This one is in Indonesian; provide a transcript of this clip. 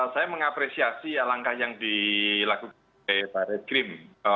saya mengapresiasi alangkah yang dilakukan oleh pak redkrim